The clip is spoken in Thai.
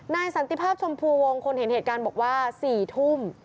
สันติภาพชมพูวงคนเห็นเหตุการณ์บอกว่า๔ทุ่ม